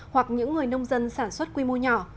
hoặc những người nông dân sản xuất quy mô nhỏ